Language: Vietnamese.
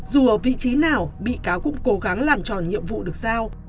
dù ở vị trí nào bị cáo cũng cố gắng làm tròn nhiệm vụ được giao